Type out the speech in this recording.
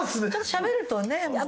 しゃべるとねまた。